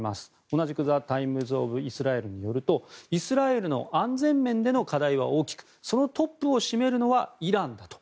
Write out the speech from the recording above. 同じくザ・タイムズ・オブ・イスラエルによるとイスラエルの安全面での課題は大きくそのトップを占めるのはイランだと。